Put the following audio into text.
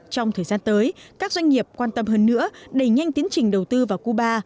trong thời gian tới các doanh nghiệp quan tâm hơn nữa đẩy nhanh tiến trình đầu tư vào cuba